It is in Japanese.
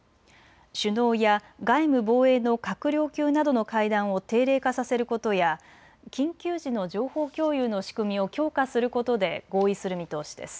首脳や外務防衛の閣僚級などの会談を定例化させることや緊急時の情報共有の仕組みを強化することで合意する見通しです。